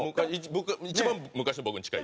僕一番昔の僕に近い。